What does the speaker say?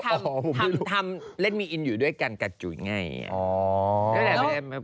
เขาทำเรียกเกกนส์อย่างงี้